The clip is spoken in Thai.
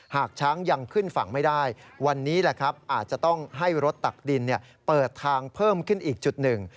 หากช้างยังขึ้นฝั่งไม่ได้วันนี้แหละครับอาจจะต้องให้รถตักดินเปิดทางเพิ่มขึ้นอีกจุดหนึ่ง